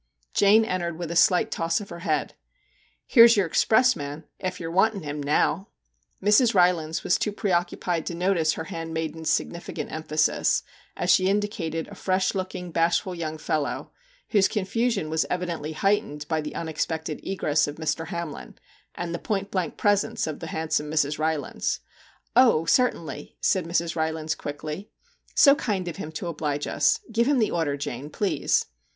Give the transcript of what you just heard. Jane entered with a slight toss of her head. ' Here 's your expressman ef you 're wantin' him now.' Mrs. Rylands was too preoccupied to notice her handmaiden's significant emphasis, as she indicated a fresh looking, bashful young fellow whose confusion was evidently heightened by the unexpected egress of Mr. Hamlin, and the point blank presence of the handsome Mrs. Rylands. * Oh, certainly,' said Mrs. Rylands quickly. * So kind of him to oblige us. Give him the order, Jane, please.'